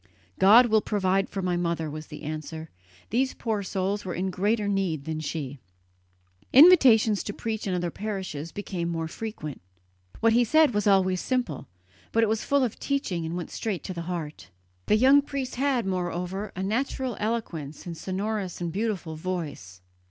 "God will provide for my mother," was the answer; "these poor souls were in greater need than she." Invitations to preach in other parishes became more frequent. What he said was always simple, but it was full of teaching and went straight to the heart. The young priest had, moreover, a natural eloquence and a sonorous and beautiful voice.